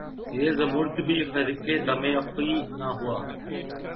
یہ زمّرد بھی حریفِ دمِ افعی نہ ہوا